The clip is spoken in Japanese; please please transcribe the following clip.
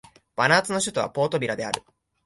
バヌアツの首都はポートビラである